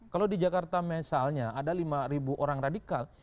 kalau di jakarta misalnya ada lima orang radikal